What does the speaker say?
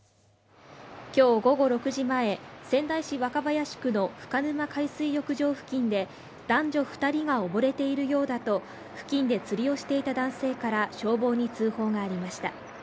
今日午後６時前、仙台市若林区の深沼海水浴場付近で男女２人が溺れているようだと付近で釣りをしていた男性から消防に通報がありました。